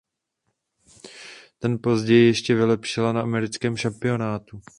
Ten později ještě vylepšila na americkém šampionátu.